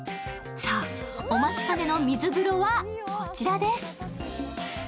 さあお待ちかねの水風呂はこちらです。